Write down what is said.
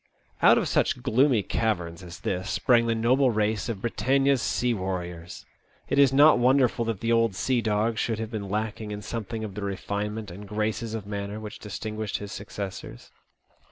Out of such gloomy caverns as this sprang the noble race of Britannia's sea warriors. It is not wonderful that the old sea dog should have been lacking in some thing of the refinement and graces of manner which distinguish his successors.